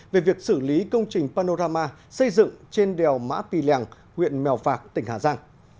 về việc xử lý công trình panorama xây dựng trên đèo mã pì lèng huyện mèo phạc tỉnh hà giang